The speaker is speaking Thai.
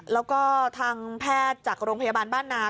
แล้วก็ทางแพทย์จากโรงพยาบาลบ้านนา